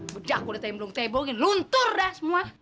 budak kulitnya belum tebongin luntur dah semua